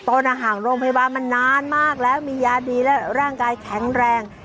ห่างโรงพยาบาลมานานมากแล้วมียาดีและร่างกายแข็งแรง